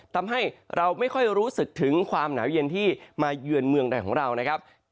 ทำให้เราไม่ค่อยรู้สึกถึงความหนาวเย็นที่มาเยือนเมืองไทยของเรานะครับ